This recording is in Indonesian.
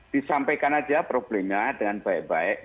disampaikan aja problemnya dengan baik baik